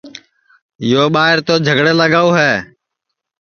یو ٻائیر تو جھگڑے لگاؤ ہے